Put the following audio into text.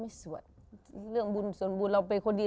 สวดเรื่องบุญส่วนบุญเราเป็นคนดี